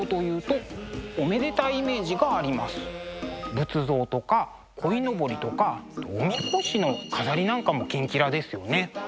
仏像とかこいのぼりとかおみこしの飾りなんかもキンキラですよね。